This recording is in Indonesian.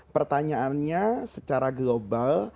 pertanyaannya secara global